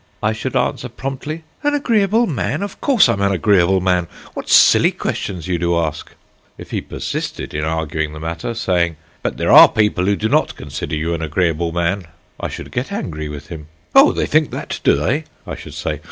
I should answer promptly: "An agreeable man! Of course I'm an agreeable man. What silly questions you do ask!" If he persisted in arguing the matter, saying: "But there are people who do not consider you an agreeable man." I should get angry with him. "Oh, they think that, do they?" I should say.